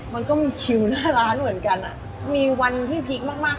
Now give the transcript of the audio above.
มันต้องกรมร้านเหมือนกันอ่ะ